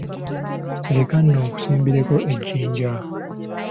Leka nno nkusimbireko ejjinja.